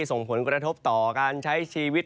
ส่งผลกระทบต่อการใช้ชีวิต